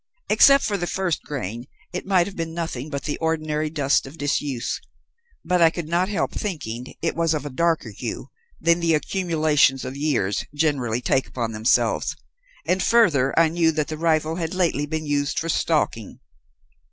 Except for the first grain, it might have been nothing but the ordinary dust of disuse, but I could not help thinking it was of a darker hue than the accumulations of years generally take upon themselves, and, further, I knew that the rifle had lately been used for stalking.